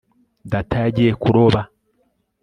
data yagiye kuroba